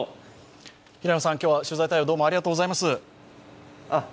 今日は取材対応どうもありがとうございます。